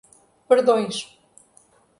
Perdões